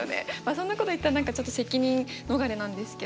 そんなこと言ったら何かちょっと責任逃れなんですけど。